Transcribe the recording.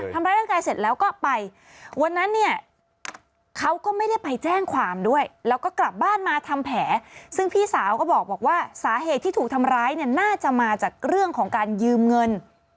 ทำร้ายร่างกายเสร็จแล้วก็ไปวันนั้นเนี่ยเขาก็ไม่ได้ไปแจ้งความด้วยแล้วก็กลับบ้านมาทำแผลซึ่งพี่สาวก็บอกว่าสาเหตุที่ถูกทำร้ายเนี่ยน่าจะมาจากเรื่องของการยืมเงิน